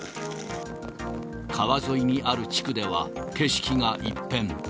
川沿いにある地区では、景色が一変。